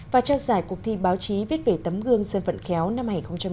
và trao giải cuộc thi báo chí viết về tấm gương dân vận khéo năm hai nghìn một mươi chín